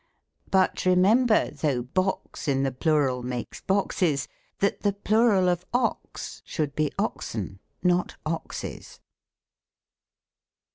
But remember, though box In the plural makes boxes. That the plural of ox Should be oxen, not oxes.